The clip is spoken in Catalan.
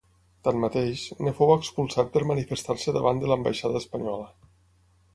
Tanmateix, en fou expulsat per manifestar-se davant de l'ambaixada espanyola.